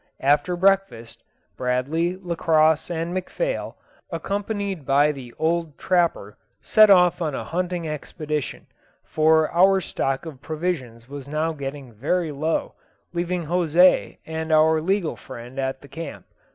After breakfast, Bradley, Lacosse, and McPhail, accompanied by the old trapper, set off on a hunting expedition, for our stock of provisions was now getting very low, leaving José and our legal friend at the camp.